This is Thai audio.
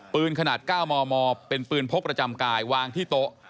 ปืนขนาด๙มมเป็นปืนพกประจำกายวางที่โต๊ะ